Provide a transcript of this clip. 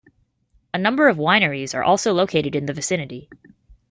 A number of wineries are also located in the vicinity.